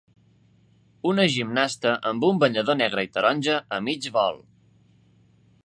Una gimnasta amb un banyador negre i taronja a mig vol